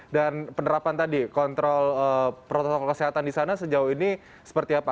dan penerapan tadi kontrol protokol kesehatan disana sejauh ini seperti apa